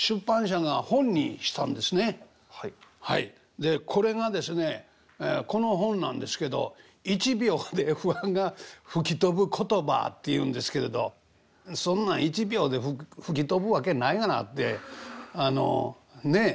でこれがですねこの本なんですけど「１秒で不安が吹き飛ぶ言葉」っていうんですけれどそんなん１秒で吹き飛ぶわけないがなってねっ。